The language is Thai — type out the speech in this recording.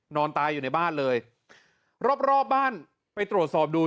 นอนตายอยู่ในบ้านเลยรอบรอบบ้านไปตรวจสอบดู